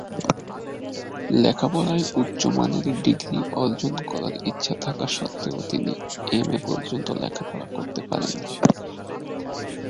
লেখা পড়ায় উচ্চ মানের ডিগ্রী অর্জন করার ইচ্ছা থাকা সত্ত্বেও তিনি এমএ পর্যন্ত লেখাপড়া করতে পারেননি।